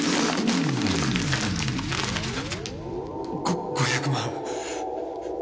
ご５００万。